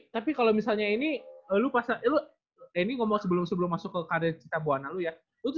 tapi kalau misalnya ini lu pak lu denny ngomong sebelum masuk ke karya cita buana lu ya